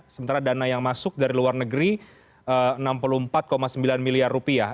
sementara dana yang masuk dari luar negeri enam puluh empat sembilan miliar rupiah